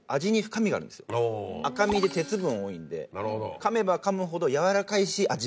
赤身で鉄分多いんでかめばかむほど軟らかいし味が出てくる。